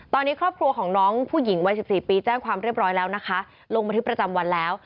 ตอนนี้ครอบครัวของน้องผู้หญิงวัย๑๔ปีแจ้งความเรียบร้อยแล้วนะคะลงบันทึกประจำวันแล้ว